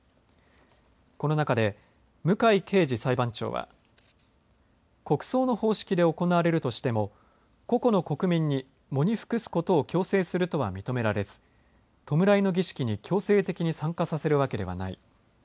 この中で向井敬二裁判長は国葬の方式で行われるとしても個々の国民に喪に服すことを強制するとは認められず弔いの儀式に強制的に参加させるわけではない。